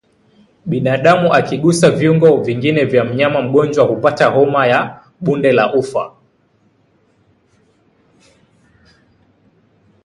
Binadamu akigusa viungo vingine vya mnyama mgonjwa hupata homa ya bonde la ufa